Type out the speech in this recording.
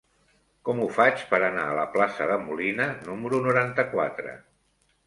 Com ho faig per anar a la plaça de Molina número noranta-quatre?